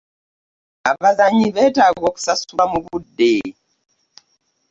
Abazannyi beetaaga okusasulwa mu budde.